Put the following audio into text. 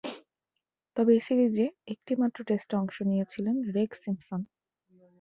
তবে, এ সিরিজে একটিমাত্র টেস্টে অংশ নিয়েছিলেন রেগ সিম্পসন।